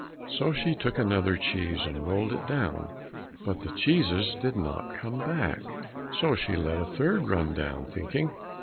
So she took another cheese and rolled it down. But the cheeses did not come back, so she let a third run down, thinking.